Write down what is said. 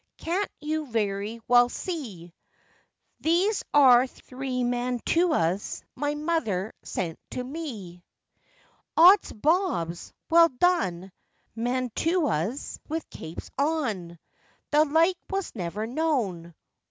can't you very well see, These are three mantuas my mother sent to me?' 'Ods bobs! well done! mantuas with capes on! The like was never known!